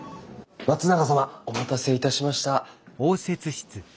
松永様お待たせいたしました。